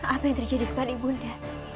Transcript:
apa yang terjadi kepada ibu nda